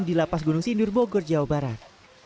di lapas gunung sindur bogor jawa barat